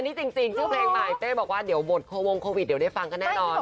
นี่จริงชื่อเพลงใหม่เป้บอกว่าเดี๋ยวบทโควงโควิดเดี๋ยวได้ฟังกันแน่นอน